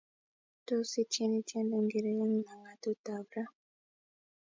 Tos itieni tyendo ingire eng langatut ab ra